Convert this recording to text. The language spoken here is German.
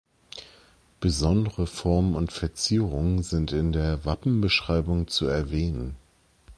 Besondere Formen und Verzierungen sind in der Wappenbeschreibung zu erwähnen.